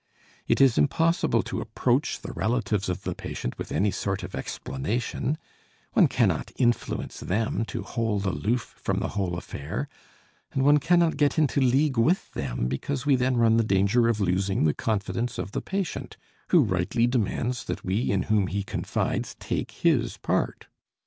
It is impossible to approach the relatives of the patient with any sort of explanation, one cannot influence them to hold aloof from the whole affair, and one cannot get into league with them because we then run the danger of losing the confidence of the patient, who rightly demands that we in whom he confides take his part.